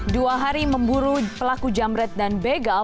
dua hari memburu pelaku jamret dan begal